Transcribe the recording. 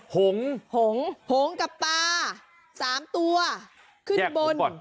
หงหงกับปลา๓ตัวขึ้นบน